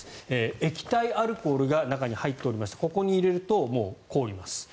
液体アルコールが中に入っておりましてここに入れるともう凍ります。